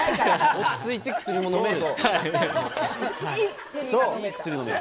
落ち着いて薬も飲めると。